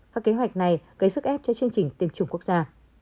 các kế hoạch này gây sức ép cho chương trình tiêm chủng quốc gia